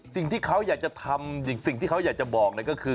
สิ่งที่เขาอยากจะทำสิ่งที่เขาอยากจะบอกก็คือ